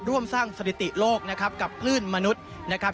ร่วมสร้างสถิติโลกนะครับ